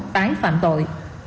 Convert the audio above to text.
tái phạm tội